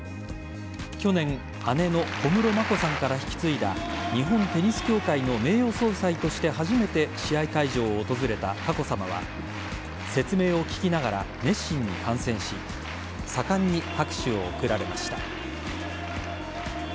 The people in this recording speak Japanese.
去年、姉の小室眞子さんから引き継いだ日本テニス協会の名誉総裁として初めて試合会場を訪れた佳子さまは説明を聞きながら熱心に観戦し盛んに拍手を送られました。